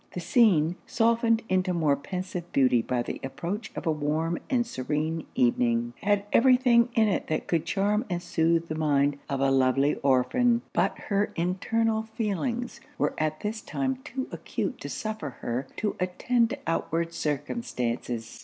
The scene, softened into more pensive beauty by the approach of a warm and serene evening, had every thing in it that could charm and soothe the mind of the lovely orphan. But her internal feelings were at this time too acute to suffer her to attend to outward circumstances.